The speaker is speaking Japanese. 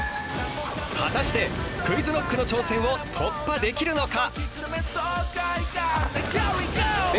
果たしてＱｕｉｚＫｎｏｃｋの挑戦を突破できるのか？